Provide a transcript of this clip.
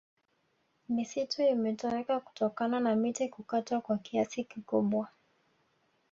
misitu imetoweka kutokana na miti kukatwa kwa kiasi kikubwa